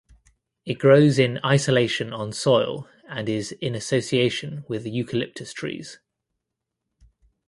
It grows in isolation on soil and is in association with Eucalyptus trees.